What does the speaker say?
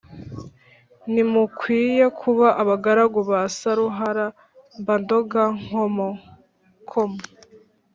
Ntimukwiye kuba abagaragu ba Saruhara, mba ndoga Nkomokomo!